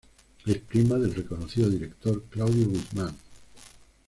Es prima del reconocido director Claudio Guzmán.